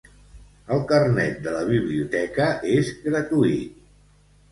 El carnet de la biblioteca és gratuït